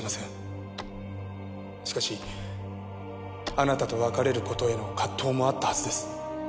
しかしあなたと別れる事への葛藤もあったはずです。